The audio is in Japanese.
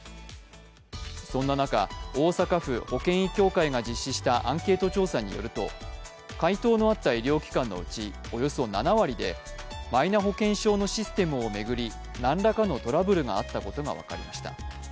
そんな中、大阪府保険医協会が実施したアンケート調査によると回答のあった医療機関のうちおよそ７割で、マイナ保険証のシステムを巡り何らかのトラブルがあったことが分かりました。